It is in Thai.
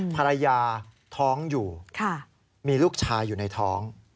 ภรรยาท้องอยู่มีลูกชายอยู่ในท้อง